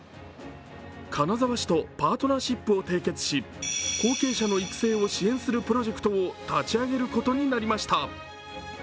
金沢市とパートナーシップを締結し後継者の育成を支援するプロジェクトを立ち上げることになりました。